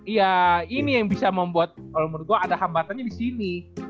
ya ini yang bisa membuat kalau menurut gue ada hambatannya di sini